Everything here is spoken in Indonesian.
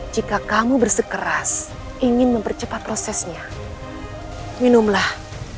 jika kamu bersekeras ingin mempercepat prosesnya minumlah